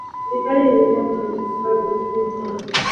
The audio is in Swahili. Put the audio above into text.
Serikali inaendelea kujaribu kuifanya nchi hiyo kuwa na maji safi